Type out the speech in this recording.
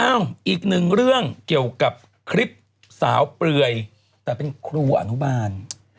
อีกหนึ่งเรื่องเกี่ยวกับคลิปสาวเปลือยแต่เป็นครูอนุบาล